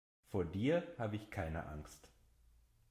Vor dir habe ich keine Angst.